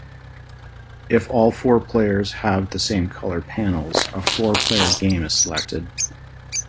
If all four players have the same color panels, a four-player game is selected.